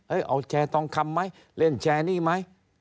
เอาแชร์ทองคำไหมเล่นแชร์นี่ไหม